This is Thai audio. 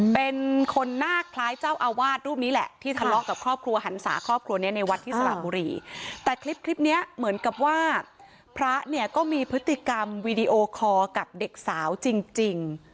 เป็นคนหน้าคล้ายเจ้าอาวาสรูปนี้แหละที่ทะเลาะกับครอบครัวหันศาครอบครัวนี้ในวัดที่สระบุรีแต่คลิปคลิปเนี้ยเหมือนกับว่าพระเนี่ยก็มีพฤติกรรมวีดีโอคอร์กับเด็กสาวจริงจริง